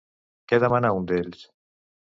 Què demanà un d'ells?